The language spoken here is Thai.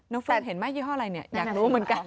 แฟนเห็นไหมยี่ห้ออะไรเนี่ยอยากรู้เหมือนกัน